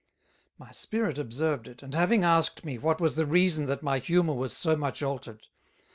My Spirit observed it, and having asked me, What was the reason that my Humor was so much altered?